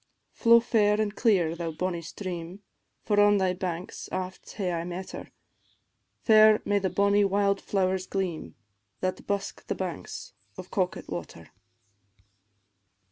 "Flow fair an' clear, thou bonnie stream, For on thy banks aft hae I met her; Fair may the bonnie wild flowers gleam, That busk the banks of Coquet water."